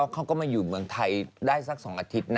เขาก็มาอยู่เมืองไทยได้สัก๒อาทิตย์นะ